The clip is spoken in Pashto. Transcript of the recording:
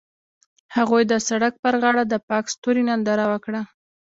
هغوی د سړک پر غاړه د پاک ستوري ننداره وکړه.